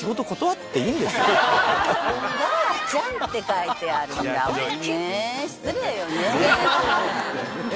「おばあちゃん」って書いてあるんだもんね失礼よね。